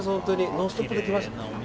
「ノンストップ！」で来ました。